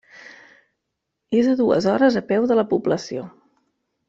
És a dues hores a peu de la població.